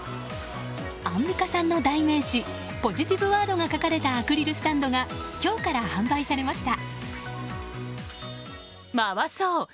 アンミカさんの代名詞ポジティブワードが書かれたアクリルスタンドが今日から販売されました。